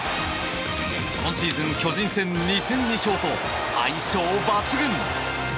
今シーズン、巨人戦２戦２勝と相性抜群。